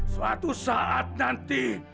suatu saat nanti